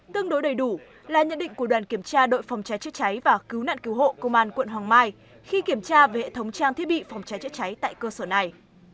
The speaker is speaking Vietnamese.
tương đối đầy đủ là nhận định của đoàn kiểm tra đội phòng cháy chữa cháy và cứu nạn cứu hộ công an quận hoàng mai khi kiểm tra về hệ thống trang thiết bị phòng cháy chữa cháy tại cơ sở này